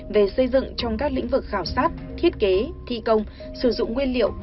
về xây dựng trong các lĩnh vực khảo sát thiết kế thi công sử dụng nguyên liệu